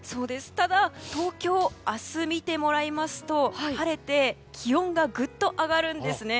ただ、東京は明日を見てもらいますと晴れて気温がぐっと上がるんです。